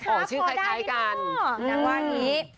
พอได้กันชื่อคล้ายกันนักว่านี้